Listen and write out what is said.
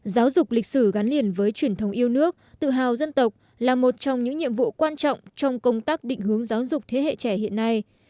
giáo dục lịch sử gắn liền với truyền thống yêu nước tự hào dân tộc là một trong những nhiệm vụ quan trọng trong công tác định hướng giáo dục thế hệ trẻ hiện nay